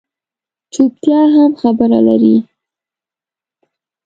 چُپتیا هم خبره لري